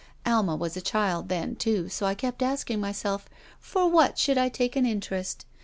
Alma was a child then, too, so I kept asking myself, 'For what should I take an interest